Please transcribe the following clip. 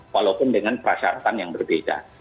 walaupun dengan persyaratan yang berbeda